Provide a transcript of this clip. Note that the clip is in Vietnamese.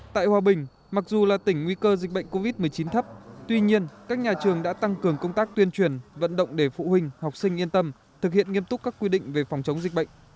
tại hòa bình mặc dù là tỉnh nguy cơ dịch bệnh covid một mươi chín thấp tuy nhiên các nhà trường đã tăng cường công tác tuyên truyền vận động để phụ huynh học sinh yên tâm thực hiện nghiêm túc các quy định về phòng chống dịch bệnh